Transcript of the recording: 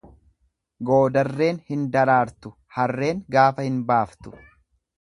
Goodarreen hin daraartu, harreen gaafa hin baaftu.